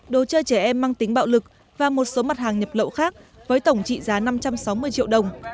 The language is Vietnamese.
đồ chơi trẻ em mang tính bạo lực và một số mặt hàng nhập lậu khác với tổng trị giá năm trăm sáu mươi triệu đồng